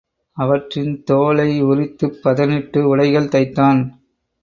அவற்றின் தோலை உரித்துப் பதனிட்டு உடைகள் தைத்தான்.